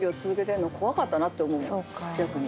逆に。